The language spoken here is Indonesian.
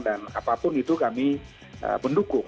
dan apapun itu kami mendukung